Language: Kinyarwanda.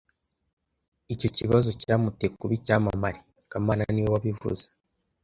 Icyo kibazo cyamuteye kuba icyamamare kamana niwe wabivuze